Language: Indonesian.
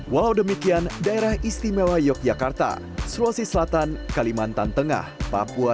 walau demikian daerah istimewa yogyakarta sulawesi selatan kalimantan tengah papua